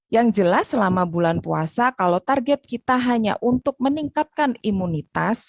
yang jelas selama bulan puasa kalau target kita hanya untuk meningkatkan imunitas